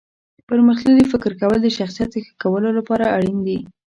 پرمختللي فکر کول د شخصیت ښه کولو لپاره اړین دي.